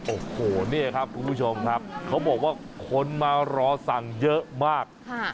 โอ้โหนี่ครับคุณผู้ชมครับเขาบอกว่าคนมารอสั่งเยอะมาก